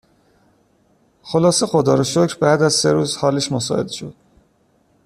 خلاصه خدا رو شکر بعد از سه روز حالش مساعد شد